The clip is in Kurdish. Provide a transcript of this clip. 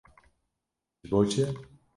Ji bo çi?